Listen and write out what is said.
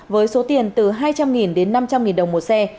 với số tiền từ hai trăm linh đến năm trăm linh đồng một xe